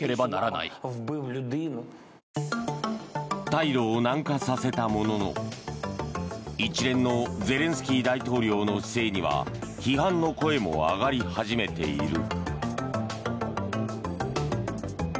態度を軟化させたものの一連のゼレンスキー大統領の姿勢には批判の声も上がり始めている。